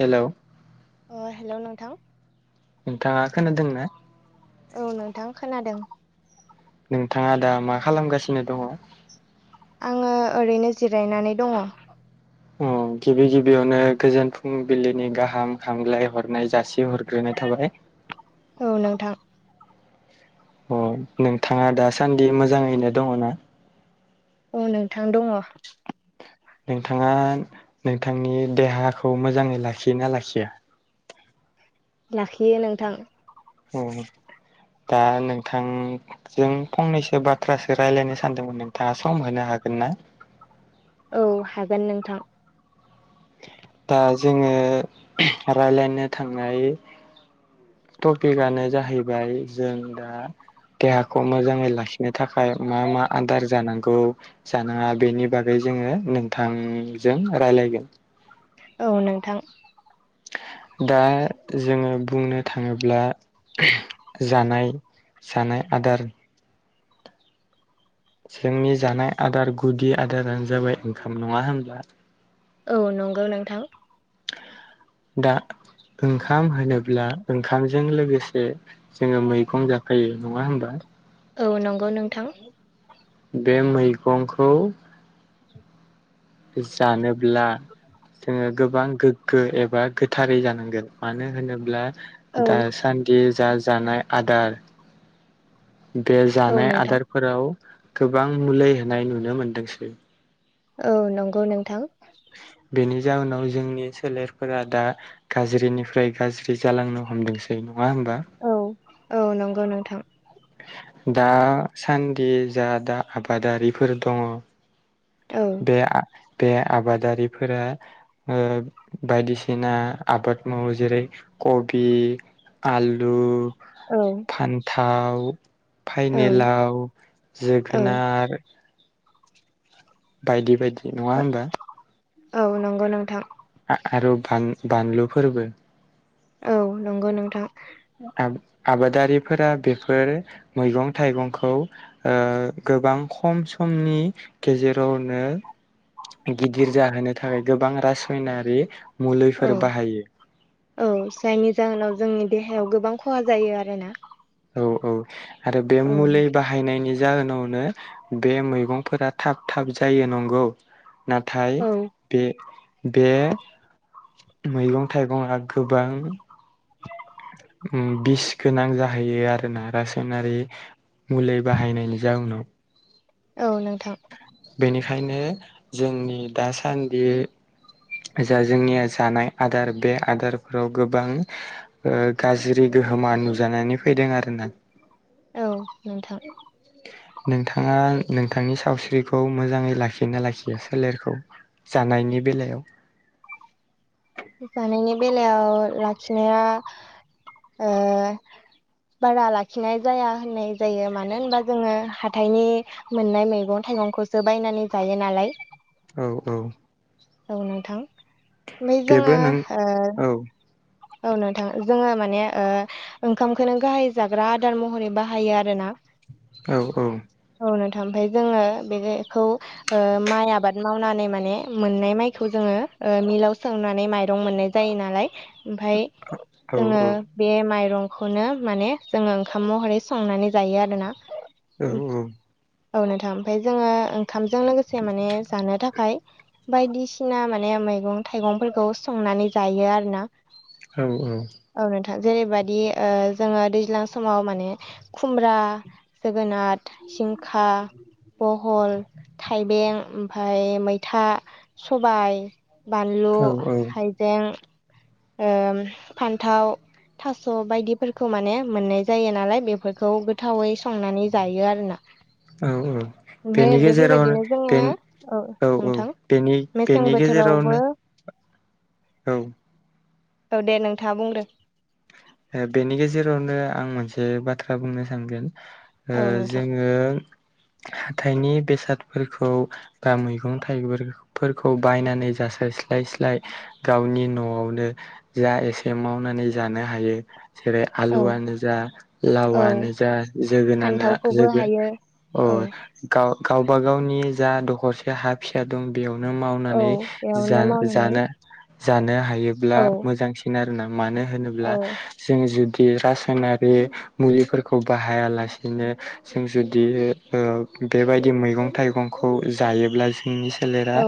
Hello. अ hello नोंथां। नोंथाङा खोनादों ना? औ नोंथां खोनादों। नोंथाङा दा मा खालामगासिनो दङ'? आङो ओरैनो जिरायनानै दङ'। औ गिबि गिबियावनो गोजोन फुंबिलिनि गाहाम हामगलाय हरनाय जासि हरग्रोनाय थाबाय। औ नोंथां। अ नोंथाङा दासान्दि मोजाङैनो दङ' ना? अ नोंथां दङ'। नोंथाङा नोंथांनि देहाखौ मोजाङै लाखियोना लाखिया? लाखियो नोंथां। औ दा नोंथां। जों फंनैसो बाथ्रासो रायलायनो सानदोंमोन नोंथाङा सम होनो हागोन ना? औ हागोन नोंथां। दा जोङो [unintelligible] रायलायनो थांनाय। टपिकआनो जाहैबाय जों दा देहाखौ मोजाङै लाखि नो थाखाय मा मा आदार जानांगौ। जानाङा बेनि बागै जोङो नोंथांजों रायलायगोन औ नोंथां। दा जोङो बुंनो थाङोब्ला [unintelligible] जानाय। जानाय आदार। जोंनि जानाय आदार गुदि आदारानो जाबाय ओंखाम नङा होमब्ला। औ नंगौ नोंथां। दा ओंखाम होनोब्ला ओंखाम जों लोगोसे जोङो मैगं जाफायो नङा होमबा। औ नंगौ नोंथां। बे मैगंखौ। जानोब्ला। जोङो गोबां गोग्गो एबा गोथारै जानांगोन मानो होनोब्ला। औ दासान्दि जा जानाय आदार। बे औ जानाय नोंथां आदारफोराव गोबां मुलि होनाय नुनो मोनदोंसै। औ नंगौ नोंथां। बेनि जाहोनाव जोंनि सोलेरफोरा दा। गाज्रिनिफ्राय गाज्रि जालांनो हमदोंसै नङा होमबा। औ औ नंगौ नोंथां। दासान्दि जा दा आबादारिफोर दङ'। औ बे आ बे आबादारिफोरा ओ बायदिसिना आबाद मावो जेरै कबि आलु औ फान्थाव औ फाइनेलाव औ जोगोनार बायदि बायदि नङा होमबा औ नोंगौ नोंथां आ आरो बान बानलु फोरबो औ नंगौ नोंथां आब आबादारिफोरा बेफोर मैगं थाइगंखौ ओ गोबां खम समनि गेजेरावनो गिदिर जाहोनो थाखाय गोबां रासयनारि औ मुलिफोर बाहायो औ जायनि जाहोनाव जोंनि देहायाव गोबां खहा जायो आरोना औ औ आरो बे औ मुलि नोंथां बाहायनायनि जाहोनावनो बे मैगंफोरा थाब थाब जायो नंगौ नाथाय औ बे बे मैगं थाइगंआ गोबां उम बिस गोनां जाहैयो आरोना रासायनारि मुलि बाहायनायनि जाउनाव औ नोंथां बेनिखायनो जोंनि दासान्दि जा जोंनिया जानाय आदार बे आदारफोराव गोबां ओ गाज्रि गोहोमा नुजानानै फैदों आरो ना औ नोंथां नोंथाङा नोंथांनि सावस्रिखौ मोजाङै लाखि ना लाखियो सोलेरखौ? जानायनि बेलायाव? जानायनि बेलायाव लाखिनाया ओ बारा लाखिनाय जाया होननाय जायो मानो होनबा जोङो हाथायनि मोननाय मैगं थाइगंखौसो बायनानै जायो नालाय औ औ औ नोंथां ओमफ्राय बेबो जोङो नों औ औ नोंथां जोङो माने ओंखामखौनो गाहाय जाग्रा आदार महरै बाहायो आरो ना। औ औ। ओव नोंथां ओमफाय जोङो बेखौ ओ माइ आबाद मावनानै माने मोननाय माइखौ जोङो ओ मिलाव सौनानै माइरं मोननाय जायो नालाय ओमफाय औ जोङो बे माइरंखौनो माने जोङो ओंखाम महरै संनानै जायो आरोना? औ औ नोंथां ओमफाय जोङो ओंखामजों लोगोसे माने जानो थाखाय बायदिसिना माने मैगं थाइगंफोरखौ संनानै जायो आरोना औ औ। औ नोंथां। जेरैबायाददि जोङो दैज्लां समाव माने खुमब्रा जोगोनार जिंखा बहल थाइबें ओमफाय मैथा सबाय बानलु औ औ हाइजें ओम फान्थाव थास' बायदिफोरखौ माने मोननाय जायो नालाय बेफोरखौ गोथावै संनानै जायो आरोना औ औ ओमफ्राय बेनि गेजेरावनो बेफोरबायदिनो बे जोङो औ नोंथां औनि बेनि मेसें बेनि बोथोरावबो गेजेरावनो औ। औ दे नोंथाङा बुंग्रो। बेनि गेजेरावनो आं मोनसे बाथ्रा बुंनो सानदों। ओ औ नोंथां जोङो हाथाइनि बेसादफोरखौ बा मैगं थाइगंफोरखौ बायनानै जासारस्लाय स्लाय गावनि न'आवनो जा एसे मावनानै जानो हायो जेरै औ आलुआनो जा औ लाव‌आनो जा जोगोनानो फान्थावखौबो जोगोन हायो अ औ गावबा गावनि जा दखरसे हा फिसा दं बेयावनो औ मावनानै जा बेयावनो मावनानै जानो जानो हायोब्ला औ मोजांसिन आरोना मानो होनो औ जों जुदि रासायनारि मुलिफोरखौ बाहायालासेनो जों जुदि ओ बेबायदि मैगं थाइगंखौ जायोब्ला जों जोंनि सोलेरा औ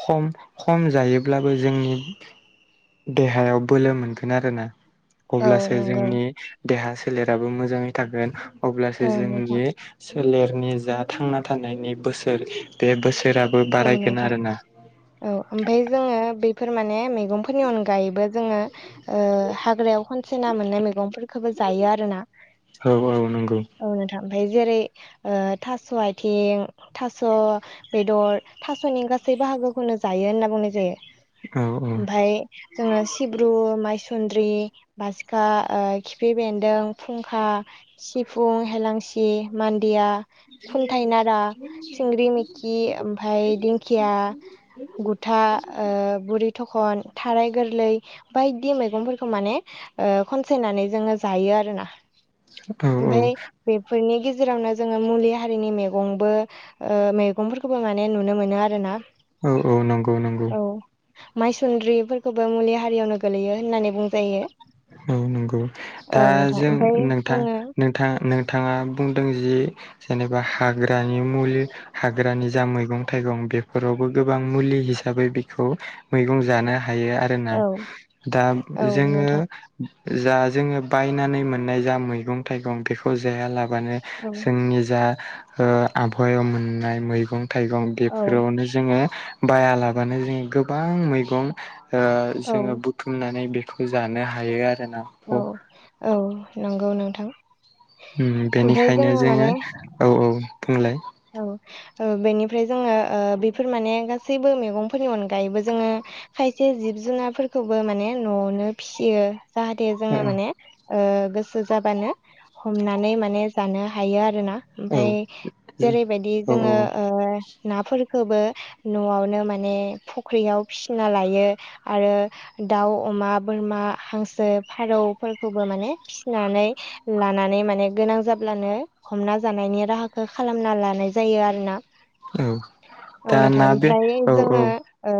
खम खम जायोब्लाबो जोंनि देहायाव बोलो मोनगोन आरोना। औ अब्लासो नंगौ जोंनि देहा सोलेराबो मोजाङै थागोन औ अब्लासो नोंथां जोंनि सोलेरनि जा थांना थानायनि बोसोर बे बोसोराबो औ नोंथां बारायगोन आरोना औ ओमफाय जोङो बेफोर माने मैगंफोरनि अनगायैबो जोङो ओ हाग्रायाव खनसे ना मोननाय मैगंफोरखौबो जायो आरोना औ औ नंगौ औ नोथां ओमफाय जेरै ओ थास' आथिं थास' बेदर थास'नि गासै बाहागोखौनो जायो होनना बुंनाय जायो औ ओमफाय जोङो सिब्रु माइसुन्द्रि बासिखा ओ खिफि बेन्दों फुंखा सिफुं हेलां सि मान्दिया खुन्थाइ नारा सिंग्रि मिखि ओम फाय दिंखिया गुथा बुरि थखन थाराय गोरलै बायदि मैगंफोरखौ माने ओ खनसायनानै जोङो जायो आरोना औ ओमफाय बेफोरनि गेजेरावनो जोङो मुलि हारिनि मैगंबो ओ मैगंफोरखौबो माने नुनो मोनो आरोना औ औ नंगौ नं औ माइसुन्द्रिफोरखौबो मुलि हारियावनो गोलैयो होननानै बुंजायो औ नंगौ औ दा नोंथां जों ओमफाय नोंथां नों जोङो नोंथां नोंथाङा बुंदों जि जेनेबा हाग्रानि मुलि हाग्रानि जा मैगं थाइगं बेफोरावबो गोबां मुलि हिसाबै बेखौ मैगं जानो हायो आरो जोंना औ दा औ जोङो नोंथां जा जोङो बायनानै मोननाय जा मैगं थाइगं बेखौ जायालाबानो औ जोंनि जा ओ आबहायाव मोननाय मैगं थाइगं औ बेफोरावनो जोङो बायालाबानो जोङो गोबां मैगं ओ औ जोङो बुथुमनानै बेखौ जानो हायो आरोना औ औ नंगौ नोंथां उम ओमफ्राय बेनिखायनो जोङो माने औ औ बुंलाय औ ओ बेनिफ्राय जोङो बेफोर माने गासैबो मैगंफोरनि अनगायैबो जोङो खायसे जिब जुनारफोरखौबो माने न'आवनो फिसियो जाहाथे औ जोङो माने ओ गोसो जाबानो हमनानै माने जानो हायो आरोना औ ओमफाय जेरैबायदि औ जोङो ओ नाफोरखोबो न'आवनो माने फख्रियाव फिसिना लायो आरो दाउ अमा बोरमा हांसो फारौफोरखौबो माने फिसिनानै लानानै माने गोनां जाब्लानो हमना जानायनि राहाखौ खालामना लानाय जायो आरोना औ औ नोंथां दाना बे ओमफ्राय औ औ जोङो ओ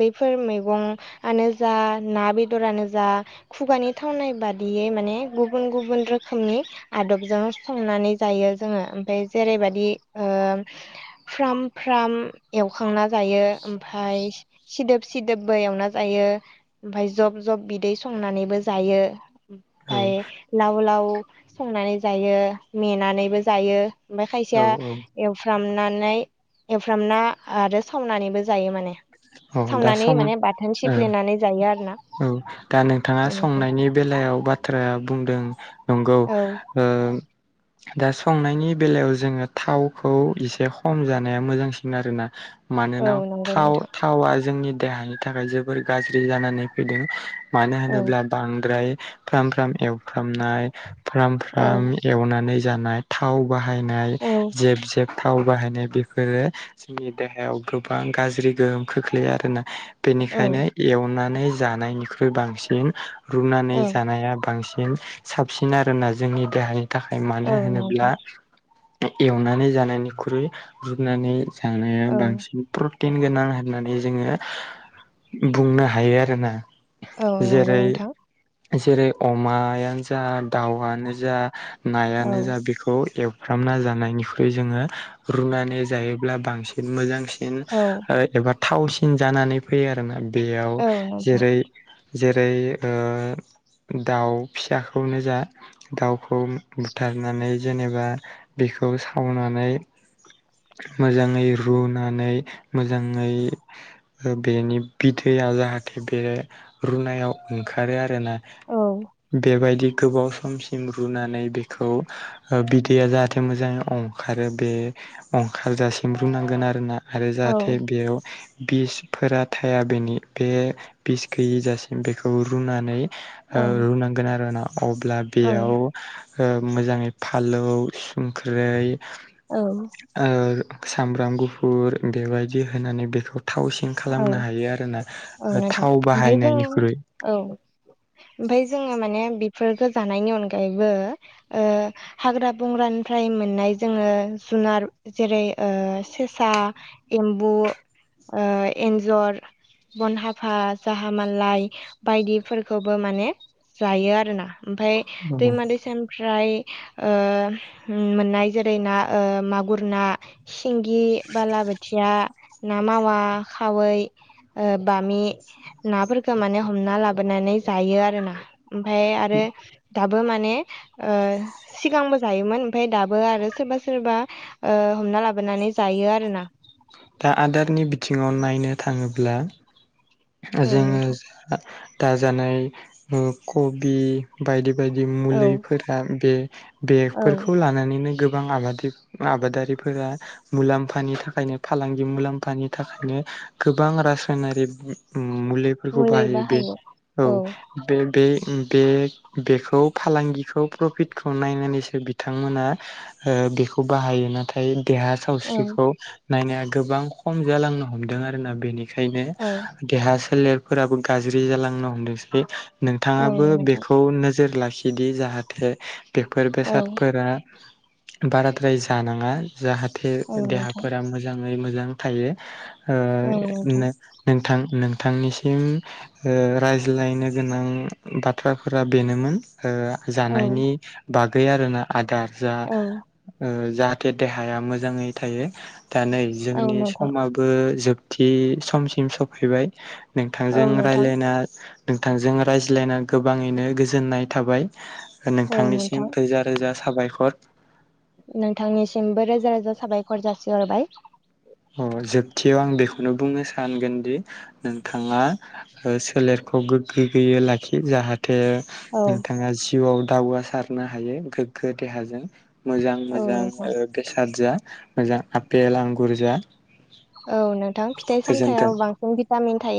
बैफोर मैगंआनो जा ना बेदरानो जा खुगानि थावनाय बादियै माने गुबुन गुबुन रोखोमनि आदबजों संनानै जायो जोङो ओमफाय जेरैबायदि फ्राम फ्राम एवखांना जायो ओमफाय सिदोब सिदोबबो एवना जायो ओमफाय जब जब बिदै संनानैबो जायो औ ओमफाय लाव लाव संनानै जायो मेनानैबो जायो ओमफाय औ खायसेया औ एवफ्रामनानै एवफ्रामना आरो सावनानैबो जायो माने औ दा सावनानै सं माने बाथोन ओ सिफ्लेनानै जायो आरोना औ दा नोंथाङा संनायनि बेलायाव बाथ्राया बुंदों नंगौ औ ओ दा संनायनि बेलायाव जोङो थावखौ एसे खम जानाया मोजांसिन आरोना औ मानोना नंगौ थाव नोंथां थावा जोंनि देहानि थाखाय जोबोर गाज्रि जानानै फैदों मानो औ होनोब्ला बांद्राय फ्राम फ्राम एवफ्रामनाय फ्राम औ फ्राम एवनानै जानाय थाव बाहायनाय औ जेब जेब थाव बाहायनाय बेफोरो जोंनि देहायाव गोबां गाज्रि गोहोम खोख्लैयो आरोना। औ बेनिखायनो एवनानै जानायनिख्रुइ बांसिन। रुनानै औ जानाया बांसिन साबसिन आरोना जोंनि देहाय। थाखाय औ मानो होनोब्ला नोंथां एवनानै जानायनिख्रुइ रुुबनानै। जानाया औ बांसिन प्रटिन गोनां। होननानै जोङो बुंनो हायो आरोना औ नंगौ जेरै नोंथां जेरै अमायानो जा दाउआनो जा औ नायानो जा बेखौ एवफ्रामना जानायनिख्रुइ जोङो रुनानै जायोब्ला बांसिन। मोजांसिन औ एबा थावसिन जानानै फैयो आरो ना बेयाव औ नोंथां जेरै जेरै दाउ फिसाखौनो जा। दाउखौ बुथारनानै जेनेबा बेखौ सावनानै। मोजाङै रुनानै मोजाङै। बेनि बिथैया जाहाथे बे रुनायाव। ओंखारो आरोना औ बेबायदि गोबाव सम। रुनानै बेखौ बिदैया जाहाथे मोजाङै ओंखारो बे अंखारजासिम रुनांगोन आरोना आरो औ जाहाथे बेयाव बिसफोरा थाया बेनि बे बिस गैयि जासिम बेखौ रुनानै। औ रुनांगोन आरोना अब्ला बेयाव। औ मोजाङै फालौ संख्रै। औ सामब्राम गुफुर बेबायदि होनानै बेखौ थावसिं औ खालामनो हायो आरो ना औ नोंथां थाव ओमफ्राय जों बाहायनायनिख्रुइ। औ ओमफफ्राय जोङो माने बेफोरखौ जानायनि अनगायैबो। हाग्रा बंग्रानिफ्राय मोननाय जोङो जुनार। जेरै सेसा एम्बु। एन्जर बन हाफा जाहा माललााय बायदिफोरखौबो माने जायो आरोना। ओमफफ्राय दैमा दैसानिफ्राय। मोननाय जेरै ना मागुर ना। सिंगि बालाबोथिया ना मावा। ना खावै बामि‌। नाफोरखौ माने हमना लाबोनानै जायो आरो ना ओमफाय आरो। दाबो माने सिगांबो जायोमोन ओमफफ्राय दाबो आरो सोरबा सोरबा। हमना लाबोनानै जायो आरो ना। दा आदारनि बिथिङाव नायनो थाङोब्ला औ जोङो। नोंथां दाजानाय कबि। बायदि बायदि औ मुलिफोरा बे औ बेगफोरखौ लानानैनो गोबां आबादि। मआबादारिफोरा मुलाम्फानि थाखायनो। फालांगि मुलाम्फानि थाखायनो गोबां रासायनारि मुलि फोरखौ बाहायो बे औ बे बे उम बे बेखौ फालांगिखौ प्रफिटखौ नायनानैसो बिथांमोना। ओ बेखौ बाहायो नाथाय देहा औ सावस्रिखौ नायनाया गोबां खम जालांनो हमदों आरोना बेनिखायनो। औ देहा सोलेरफोराबो गाज्रि जालांनो हमदोंसै। औ नोंथाङाबो नोंथां बेखौ नोजोर लाखिदि जाहाथे। बेफोर औ बेसादफोरा बाराद्राय जानाङा जाहाथे औ देहा नोंथां मोजाङै मोजां थायो ओ औ [unintelligible] नोंथां नोंथां नोंथांनिसिम ओ रायज्लायनो गोनां बाथ्राफोरा बेनोमोन। ओ औ जानायनि बागै आरोना आदार जा औ ओ जाहाथे देहाया मोजाङै थायो दा नै औ जोंनि नोंथां समा बो जोबथि समसिम सफैबाय औ नोंथांजों नोंथां रायलायना नोंथांजों रायज्लायना गोबाङैनो गोजोननाय थाबाय औ नोंथांनिसिम नोंथां थोजा रोजा साबायखर। नोंथांनिसिमबो रोजा रोजा साबायखर जासिहरबाय। अ जोबथियाव आं बेखौनो बुंनो सानगोन दि नोंथाङा ओ सोलेरखौ गोग्गो गोयै लाखि जाहाथे औ नोंथाङा जिउआव दावगासारनो हायो गोग्गो देहाजों मोजां औ मोजां नोंथां ओ बेसाद जा मोजां आपेल आंगुर जा। औ नोंथां फिथाइ गोजोन्थों। सामथायाव बांसिन भिटामिन थायो।